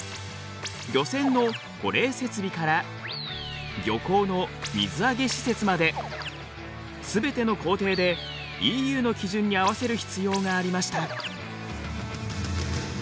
漁船の保冷設備から漁港の水揚げ施設まですべての工程でＥＵの基準に合わせる必要がありました。